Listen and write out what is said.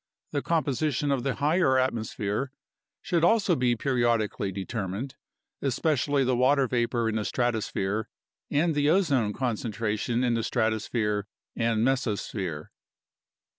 The composition of the higher atmosphere should also be periodically determined, especially the water vapor in the stratosphere and the ozone concentration in the stratosphere and mesosphere.